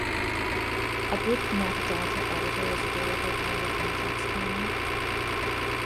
A book metadata editor is available via the context menu.